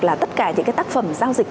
là tất cả những tác phẩm giao dịch